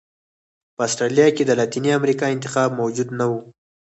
په اسټرالیا کې د لاتینې امریکا انتخاب موجود نه و.